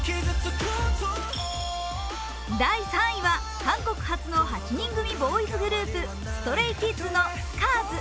韓国発の８人組ボーイズグループＳｔｒａｙＫｉｄｓの「Ｓｃａｒｓ」。